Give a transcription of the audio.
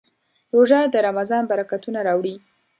روژه د رمضان برکتونه راوړي.